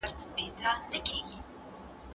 د انحصار مخنیوي لپاره قوانین سته دي.